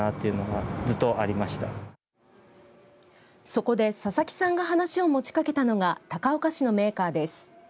そこで佐々木さんが話を持ちかけたのが高岡市のメーカーです。